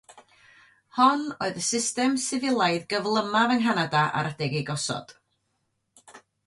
Hon oedd y system sifilaidd gyflymaf yng Nghanada ar adeg ei gosod.